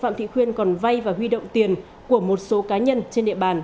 phạm thị khuyên còn vay và huy động tiền của một số cá nhân trên địa bàn